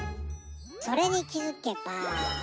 それにきづけば。